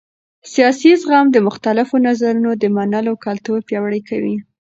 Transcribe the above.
سیاسي زغم د مختلفو نظرونو د منلو کلتور پیاوړی کوي